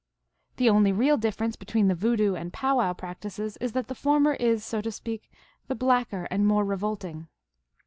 The only real difference between the Voodoo and Pow wow practices is that the former is, so to speak, the Hacker and more revolting.